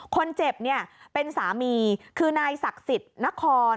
คนเจ็บเนี่ยเป็นสามีคือนายศักดิ์สิทธิ์นคร